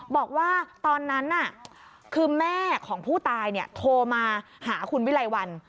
บอกว่าตอนนั้นคือแม่ของผู้ตายโทรมาหาคุณวิไลวัน